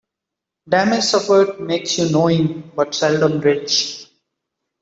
Damage suffered makes you knowing, but seldom rich.